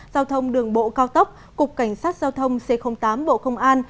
giao thông đường bộ cao tốc cục cảnh sát giao thông c tám bộ công an